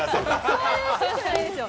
そういう趣旨じゃないですよ。